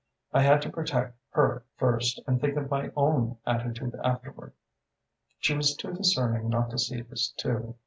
I had to protect her first, and think of my own attitude afterward. "She was too discerning not to see this too.